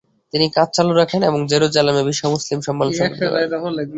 তিনি কাজ চালু রাখেন এবং জেরুজালেমে বিশ্ব মুসলিম সম্মেলন সংগঠিত করেন।